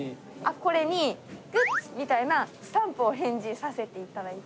これにグッドみたいなスタンプを返事させて頂いて。